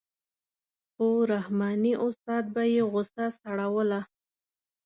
خو رحماني استاد به یې غوسه سړوله.